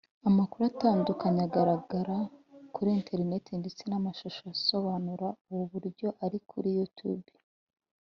Amakuru atandukanye agaragara kuri interineti ndetse n’amashusho asobanura ubu buryo ari kuri YouTube